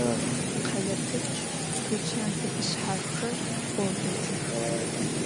Khale pepçç tuçan zefeşshafxer beu detıx.